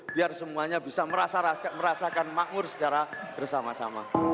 biar semuanya bisa merasakan makmur secara bersama sama